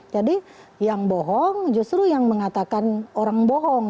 jadi yang bohong justru yang mengatakan orang bohong